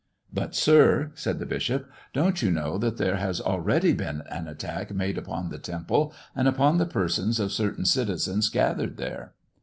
"But, sir," said the bishop, "don't you know that there has already been an attack made upon the Temple and upon the persons of certain citizens gathered there?"